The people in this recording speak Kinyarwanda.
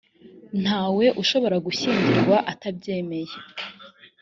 ntawe ushobora gushyingirwa atabyemeye